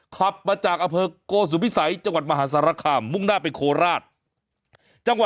ขับมาจากอำเภอกโกซุภิไสท์จังหวัดมหาศาลคาหมุ่งหน้าเป็นโคราช